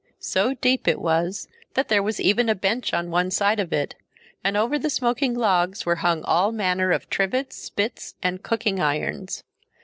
So deep it was, that there was even a bench on one side of it, and over the smoking logs were hung all manner of trivets, spits, and cooking irons.